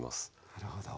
なるほど。